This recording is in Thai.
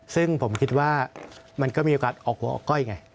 ซึ่งผมคิดว่ามันก็มีโอกาสออกหัวออกก้อยไง